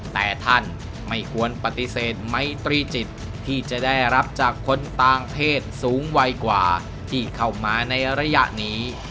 แต่ท่านไม่ควรปฏิเสธไมตรีจิตที่จะได้รับจากคนต่างเพศสูงวัยกว่าที่เข้ามาในระยะนี้